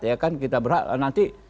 ya kan kita berhak nanti